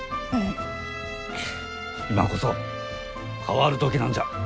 今こそ変わる時なんじゃ。